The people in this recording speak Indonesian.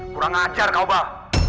kurang ngajar kau bah